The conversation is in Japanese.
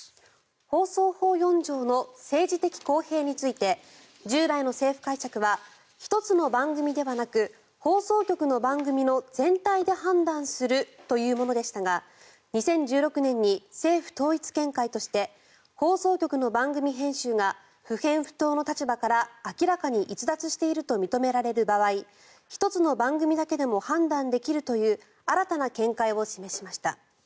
放送法４条の政治的公平について従来の政府解釈は１つの番組ではなく放送局の番組の全体で判断するというものでしたが２０１６年に政府統一見解として放送局の番組編集が不偏不党の立場から明らかに逸脱していると認められる場合１つの番組だけでも判断できるという新たな見解を示しました。